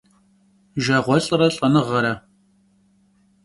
Jjağuelh're lh'enığere.